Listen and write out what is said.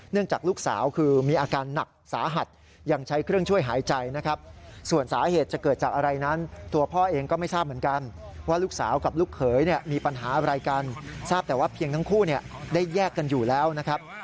เพียงทั้งคู่ได้แยกกันอยู่แล้วนะครับ